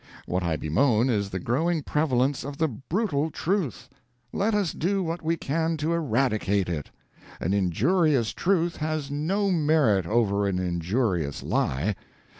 What I bemoan is the growing prevalence of the brutal truth. Let us do what we can to eradicate it. An injurious truth has no merit over an injurious lie.